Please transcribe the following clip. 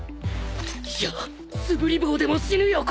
いや素振り棒でも死ぬよこれ。